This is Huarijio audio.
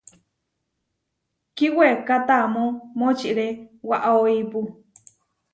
Kíweká tamó močiré waʼá óipu.